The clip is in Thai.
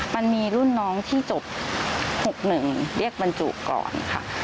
มันมีรุ่นน้องที่จบ๖๑เรียกบรรจุก่อนค่ะ